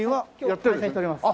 やっております。